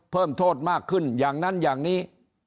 เพิ่มโทษมากขึ้นอย่างนั้นอย่างนี้